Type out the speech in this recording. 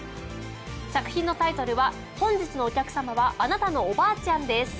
作品のタイトルは『本日のお客様は、あなたのおばあちゃんです。』。